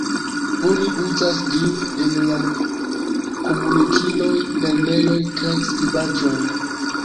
Oni uzas ĝin en la komunikiloj, lernejoj kaj skribaĵoj.